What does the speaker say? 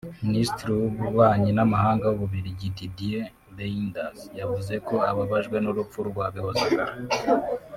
Minisitiri w’Ububanyi n’amahanga w’u Bubiligi Didier Reynders yavuze ko ababajwe n’urupfu rwa Bihozagara